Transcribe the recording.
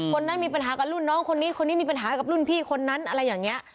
คนนั้นมีปัญหากับรุ่นน้องคนนี้คนนี้มีปัญหากับรุ่นพี่คนนั้นอะไรอย่างนี้